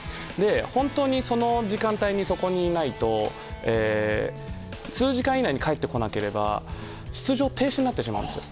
本当にその時間帯にそこにいないと数時間以内に帰ってこなければ出場停止になってしまうんですよ。